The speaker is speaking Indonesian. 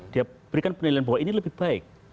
dia berikan penilaian bahwa ini lebih baik